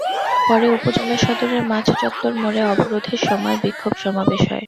পরে উপজেলা সদরের মাছ চত্বর মোড়ে অবরোধের সময় বিক্ষোভ সমাবেশ হয়।